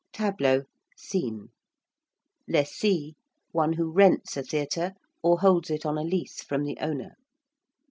~tableau~: scene. ~lessee~: one who rents a theatre or holds it on a lease from the owner.